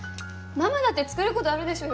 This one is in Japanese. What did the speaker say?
ママだって作る事あるでしょ！